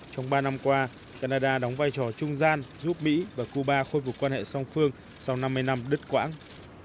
trong ba năm qua canada đóng vai trò trung gian giúp mỹ và cuba khôi phục quan hệ song phương sau năm mươi năm đứt quãng